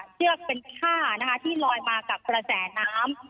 เชือกเป็นค่านะคะที่ลอยมากับกระแสน้ำ